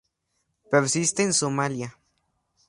Persiste en Somalia.